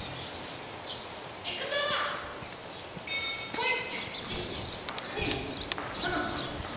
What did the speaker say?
ほい！